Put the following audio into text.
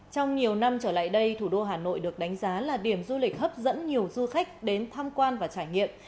trong nhiều năm trở lại đây thủ đô hà nội được đánh giá là điểm du lịch hấp dẫn nhiều du khách đến tham quan và trải nghiệm